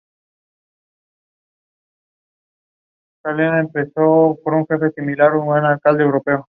Su fecha de nacimiento es ambigua.